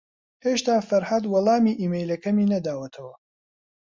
ھێشتا فەرھاد وەڵامی ئیمەیلەکەمی نەداوەتەوە.